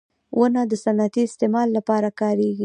• ونه د صنعتي استعمال لپاره کارېږي.